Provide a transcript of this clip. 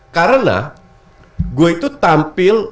karena gue itu tampil